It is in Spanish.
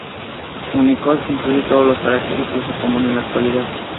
Unicode incluye todos los caracteres de uso común en la actualidad.